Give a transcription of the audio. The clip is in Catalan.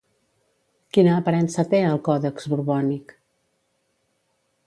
Quina aparença té al Còdex Borbònic?